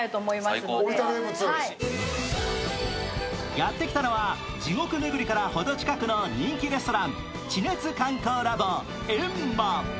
やってきたのは地獄めぐりからほど近くの人気レストラン、地熱観光ラボ縁間。